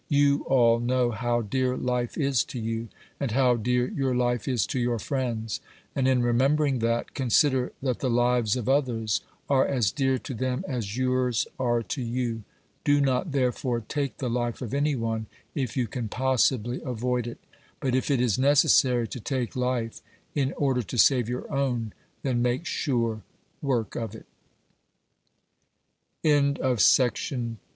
You all know how dear life is to you, and how dear your life is to your friends. And in remembering that, consider that the lives of others are as dear to them as yours are to you. Do not, therefore, take the life of any one, if you can possibly avoid it ; but if it is necessary to take life in order to sa